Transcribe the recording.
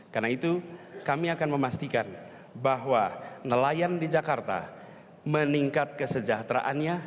karena itu kami akan memastikan bahwa nelayan di jakarta meningkat kesejahteraannya